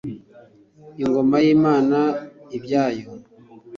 ingoma yimana ibyayo